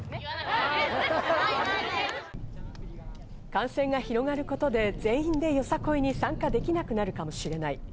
感染が広がることで全員でよさこいに参加できなくなるかもしれない。